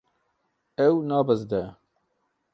Ew nabizde.